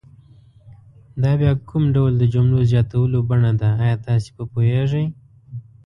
دا بیا کوم ډول د جملو زیاتولو بڼه ده آیا تاسې په پوهیږئ؟